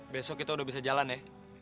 besok kita udah bisa jalan ya